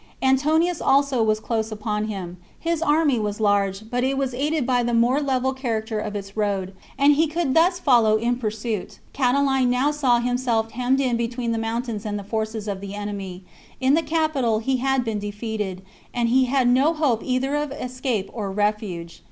Antonius also was close upon him ; his army was large, but it was aided by the more level character of its road, and he could thus follow in pursuit. Catiline now saw himself hemmed in between the mountains and the forces of the enemy ; in the capital he had been de feated ; and he had no hope either of escape or refuge.